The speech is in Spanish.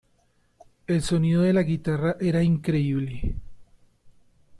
El sonido de la guitarra era increíble.